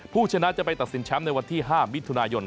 ผู้ชนะจะไปตัดสินแชมป์ในวันที่๕มิถุนายน